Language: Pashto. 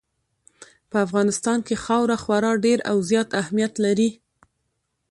په افغانستان کې خاوره خورا ډېر او زیات اهمیت لري.